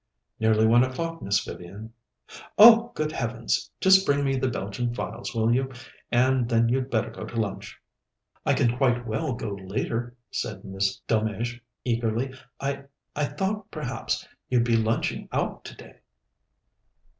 "Nearly one o'clock, Miss Vivian." "Oh, good heavens! Just bring me the Belgian files, will you? and then you'd better go to lunch." "I can quite well go later," said Miss Delmege eagerly. "I I thought perhaps you'd be lunching out today."